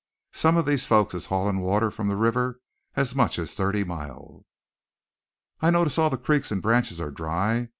Some of these folks is haulin' water from the river as much as thirty mile!" "I notice all the creeks and branches are dry.